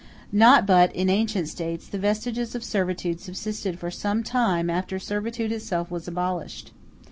Not but, in ancient States, the vestiges of servitude subsisted for some time after servitude itself was abolished.